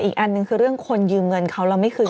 อีกอันหนึ่งคือเรื่องคนยืมเงินเขาแล้วไม่คืน